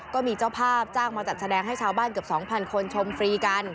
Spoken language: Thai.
ก็มีเจ้าภาพจ้างมาจัดแสดงให้ชาวบ้านเกือบ๒๐๐คนชมฟรีกัน